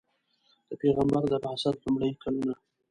د پیغمبر د بعثت لومړي کلونه.